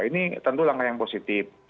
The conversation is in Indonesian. ini tentu langkah yang positif